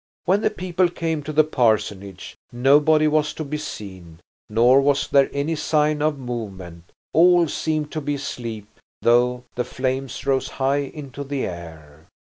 When the people came to the parsonage nobody was to be seen, nor was there any sign of movement; all seemed to be asleep, though the flames rose high into the air.